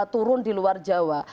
turun di luar jawa